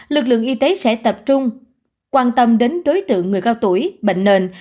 lực lượng y tế sẽ tập trung quan tâm đến đối tượng người cao tuổi bệnh nền